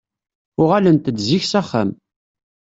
Uɣalent-d zik s axxam.